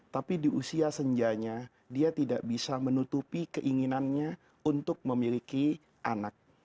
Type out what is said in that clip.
tapi di usia senjanya dia tidak bisa menutupi keinginannya untuk memiliki anak